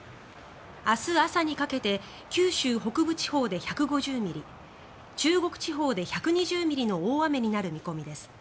明日朝にかけて九州北部地方で１５０ミリ中国地方で１２０ミリの大雨になる見込みです。